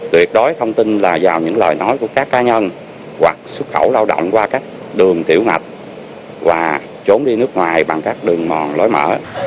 tuyệt đối không tin là vào những lời nói của các cá nhân hoặc xuất khẩu lao động qua các đường tiểu ngạch và trốn đi nước ngoài bằng các đường mòn lối mở